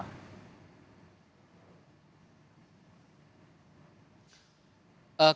kepala komisi pemilihan umum